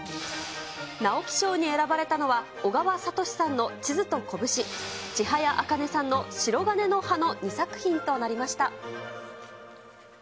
直木賞に選ばれたのは、小川哲さんの地図と拳、千早茜さんのしろがねの葉の２作品となりました。